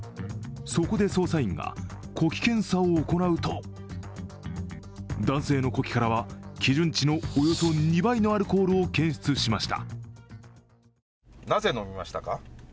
そこで捜査員が呼気検査を行うと、男性の呼気からは基準値のおよそ２倍のアルコールを検出しました。